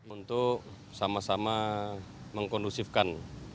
untuk sama sama mengkondusifkan